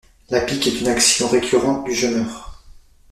La pique est une action récurrente du gemmeur.